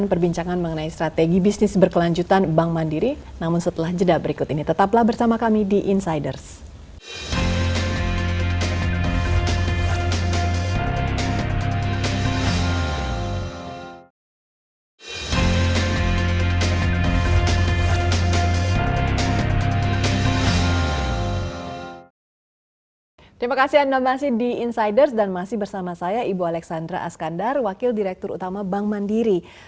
terima kasih anda masih di insiders dan masih bersama saya ibu alexandra askandar wakil direktur utama bank mandiri